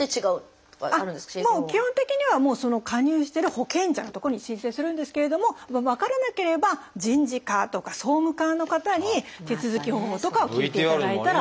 基本的にはその加入してる保険者のとこに申請するんですけれども分からなければ人事課とか総務課の方に手続き方法とかを聞いていただいたら。